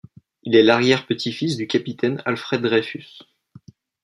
Il est l'arrière-petit-fils du capitaine Alfred Dreyfus.